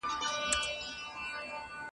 د څېړونکي نظم له بي نظمه کار اغېزمن وي.